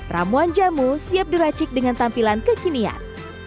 ramuan jamu siap diracik dengan tampilan kekinian